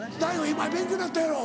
今勉強になったやろ？